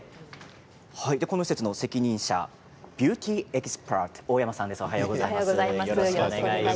この施設の責任者ビューティ−エキスパート大山志保里さんです。